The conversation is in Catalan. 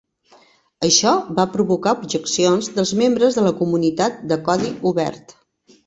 Això va provocar objeccions dels membres de la comunitat de codi obert.